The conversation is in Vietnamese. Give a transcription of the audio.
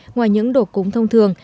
ngoài những đổ cúng thông thường